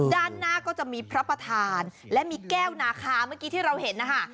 ด้านหน้าก็จะมีพระประธานและมีแก้วนาคาเมื่อกี้ที่เราเห็นนะคะ